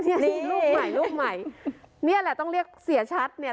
นี่รูปใหม่รูปใหม่เนี่ยแหละต้องเรียกเสียชัดเนี่ย